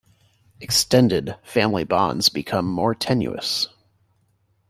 Extended family bonds become more tenuous.